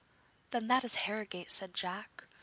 'Then that is Harrogate,' said Jack.